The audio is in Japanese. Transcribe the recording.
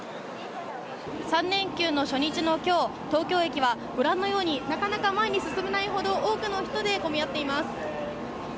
３連休の初日の今日、東京駅はご覧のようになかなか前に進めないほど混み合っています。